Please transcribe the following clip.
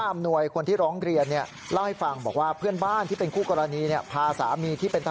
แหละคนที่ร้องเกลียดเนี่ยล่อฟ้าบอกว่าเพื่อนบ้านที่เป็นคู่กรณีเนี่ยพาสามีที่เป็นคุณ